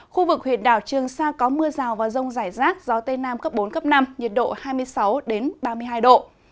khu vực huyện đảo trường sa có mưa rào và rông rải rác gió tây nam cấp bốn cấp năm nhiệt độ hai mươi sáu ba mươi hai độ